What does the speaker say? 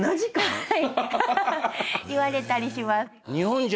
はい。